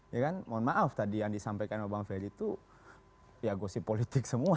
ya kan mohon maaf tadi yang disampaikan bang ferry itu ya gosip politik semua